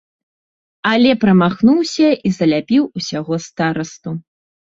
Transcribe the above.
Але прамахнуўся і заляпіў усяго старасту.